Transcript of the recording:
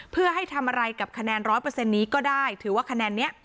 เพื่อให้ทำอะไรกับคะแนน๑๐๐นี้ก็ได้ถือว่าคะแนนนี้